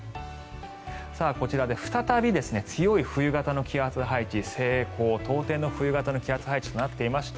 こちら、再び強い冬型の気圧配置西高東低の冬型の気圧配置となっていまして